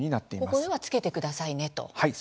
ここでは着けてくださいねと。